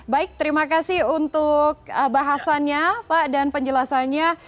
baik terima kasih untuk bahasannya pak dan penjelasannya